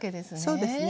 そうですね。